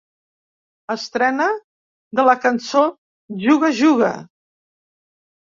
Estrena de la cançó ‘Juga, juga!’